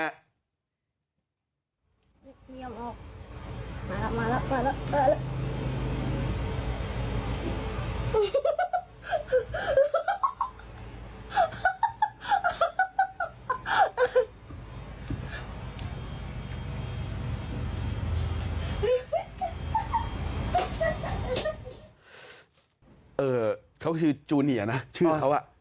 เออเขาคือจูเนียนะชื่อเขาอ่ะ